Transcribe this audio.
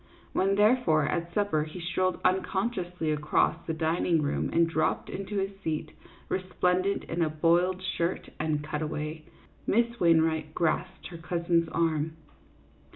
When, therefore, at supper, he strolled unconsciously across the dining room and dropped into his seat, resplendent in a boiled shirt and cutaway, Miss Wainwright grasped her cousin's arm.